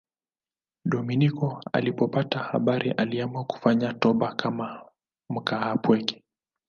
Dominiko alipopata habari aliamua kufanya toba kama mkaapweke.